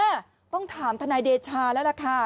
ต้องถามทนายเดชาแล้วล่ะค่ะ